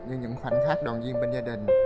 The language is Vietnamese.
nhưng những khoảnh khắc đoàn viên bên gia đình